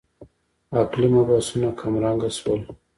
عقلي مبحثونه کمرنګه شول.